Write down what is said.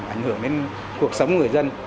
ảnh hưởng đến cuộc sống người dân